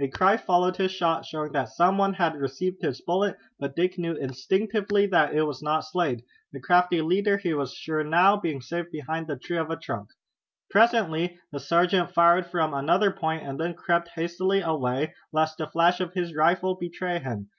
A cry followed his shot, showing that some one had received his bullet, but Dick knew instinctively that it was not Slade, the crafty leader he was sure now being safe behind the trunk of a tree. Presently the sergeant fired from another point, and then crept hastily away lest the flash of his rifle betray him.